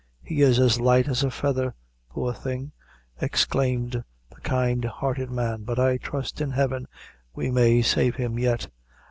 "He is as light as a feather, poor thing," exclaimed the kind hearted man; "but I trust in heaven we may save him yet."